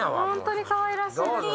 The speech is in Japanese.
ホントにかわいらしい。